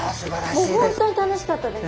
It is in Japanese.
もう本当に楽しかったです。